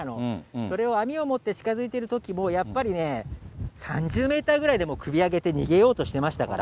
それを網を持って近づいているときもやっぱりね、３０メーターぐらいで首上げて、逃げようとしていましたから。